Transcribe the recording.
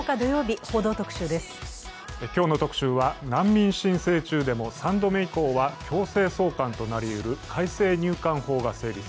今日の特集は、難民申請中でも３度目以降は強制送還となりうる改正入管法が成立。